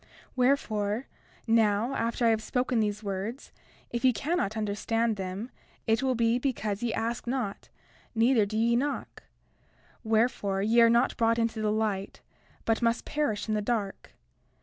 32:4 Wherefore, now after I have spoken these words, if ye cannot understand them it will be because ye ask not, neither do ye knock; wherefore, ye are not brought into the light, but must perish in the dark.